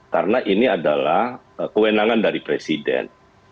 karena ini adalah kewenangan dari presiden